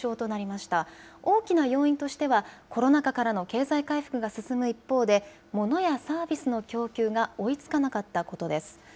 大きな大きな要因としてはコロナ禍からの経済回復が進む一方でモノやサービスの供給が追いつかなかったことです。